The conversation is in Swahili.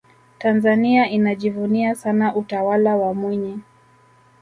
tanzania inajivunia sana utawala wa mwinyi